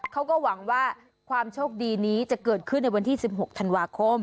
เขาก็หวังว่าความโชคดีนี้จะเกิดขึ้นในวันที่๑๖ธันวาคม